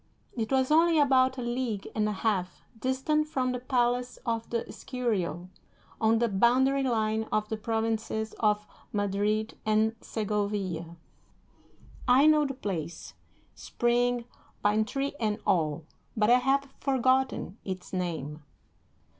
It was only about a league and a half distant from the palace of the Escurial, on the boundary line of the provinces of Madrid and Segovia. I know the place, spring, pine tree and all, but I have forgotten its name.